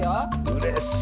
うれしい！